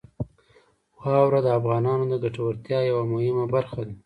واوره د افغانانو د ګټورتیا یوه مهمه برخه ده.